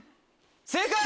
正解！